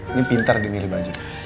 ini pintar di milih baju